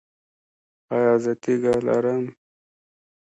ایا زه تیږه لرم؟